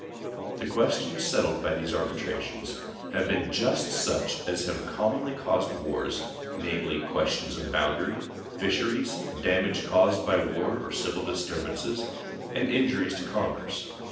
The questions settled by these arbitrations have been just such as have commonly caused wars, namely, questions of boundary, fisheries, damage caused by war or civil disturbances, and injuries to commerce.